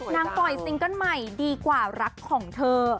ปล่อยซิงเกิ้ลใหม่ดีกว่ารักของเธอ